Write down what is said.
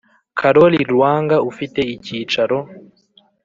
Karoli lwanga ufite icyicaro